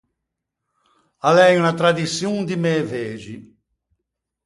A l’é unna tradiçion di mæ vegi.